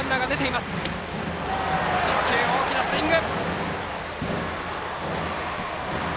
初球、大きなスイング。